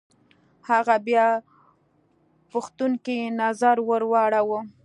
هغه بيا پوښتونکی نظر ور واړوه.